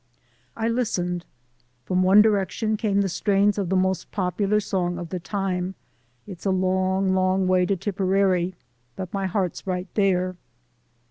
I lis tened. From one direction came the strains of the most popular song of the time : "It's a Long, Long Way to Tipperary, but my heart's right there."